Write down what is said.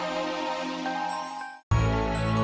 cepat pergi dari sini